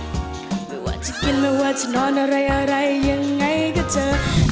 ไม่ว่าจะกินไม่ว่าจะนอนอะไรอะไรยังไงก็เจอ